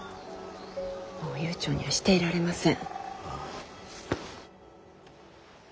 もう悠長にはしていられません。